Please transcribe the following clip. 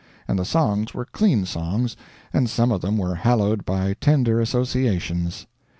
And the songs were clean songs, and some of them were hallowed by tender associations.